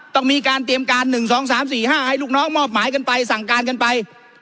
ต้องมีการเตรียมการ๑๒๓๔๕ให้ลูกน้องมอบหมายกันไปสั่งการกันไป